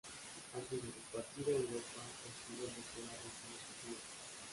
Antes de su partida a Europa obtuvo el doctorado en filosofía.